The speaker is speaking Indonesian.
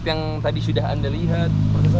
yang tadi sudah anda lihat